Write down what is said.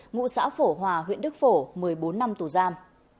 ngụ xã phổ hòa huyện đức phổ một mươi bốn năm tù giam